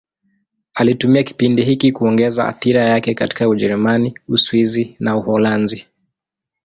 Alitumia kipindi hiki kuongeza athira yake katika Ujerumani, Uswisi na Uholanzi.